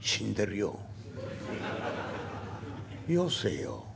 よせよ。